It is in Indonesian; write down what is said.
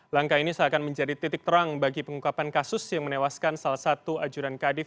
langkah ini seakan menjadi titik terang bagi pengungkapan kasus yang menewaskan salah satu ajuran kadif